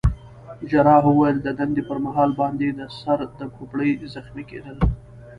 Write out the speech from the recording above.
جراح وویل: د دندې پر مهال باندي د سر د کوپړۍ زخمي کېدل.